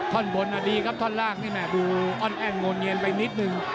ท่อนบนอ่ะดีครับท่อนล่างนี่แม่ดูอ้อนแอ้นงนเงียนไปนิดนึง